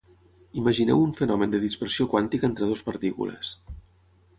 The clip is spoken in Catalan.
Imagineu un fenomen de dispersió quàntica entre dues partícules.